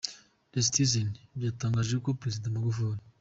The citizen : “Byatangajwe na Perezida Magufuli.”